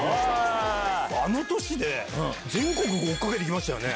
あの年で全国追っ掛けて行きましたよね。